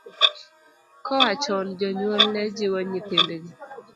Koa chon jonyuol ne jiwo nyithindgi .